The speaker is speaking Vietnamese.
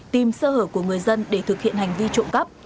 tìm sơ hở của người dân để thực hiện hành vi trộm cắp